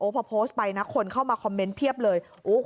พอโพสต์ไปนะคนเข้ามาคอมเมนต์เพียบเลย